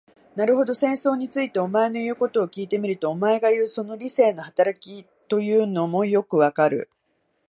なるほど、戦争について、お前の言うことを聞いてみると、お前がいう、その理性の働きというものもよくわかる。